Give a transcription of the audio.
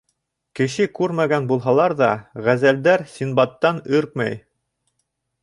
Кеше күрмәгән булһалар ҙа, ғәзәлдәр Синдбадтан өркмәй.